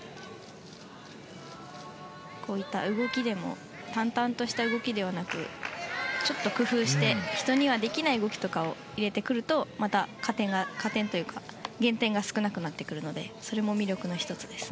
こういった動きでも淡々とした動きではなくちょっと工夫して人にはできない動きとかを入れてくると減点が少なくなってくるのでそれも魅力の１つです。